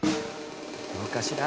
どうかしら？